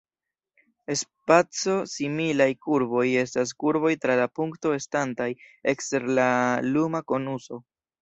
Spaco-similaj kurboj estas kurboj tra la punkto estantaj ekster la luma konuso.